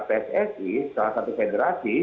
pssi salah satu federasi